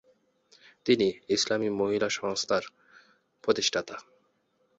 তিনি "ইসলামি মহিলা সংস্থার" প্রতিষ্ঠাতা।